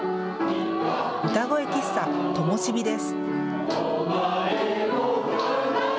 歌声喫茶ともしびです。